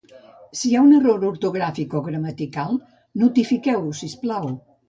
Si hi ha un error ortogràfic o gramatical, notifiqueu-ho sisplau.